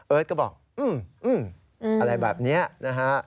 เอิร์ทก็บอกอืมอะไรแบบนี้นะฮะ